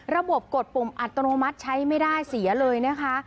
กดปุ่มอัตโนมัติใช้ไม่ได้เสียเลยนะคะ